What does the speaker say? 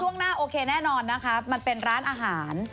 หน้าโอเคแน่นอนนะคะมันเป็นร้านอาหาร